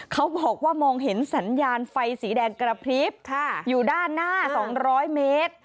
เขาบอกว่ามองเห็นสัญญาณไฟสีแดงกระพริบอยู่ด้านหน้า๒๐๐เมตร